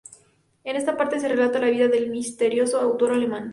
En esta parte se relata la vida del misterioso autor alemán.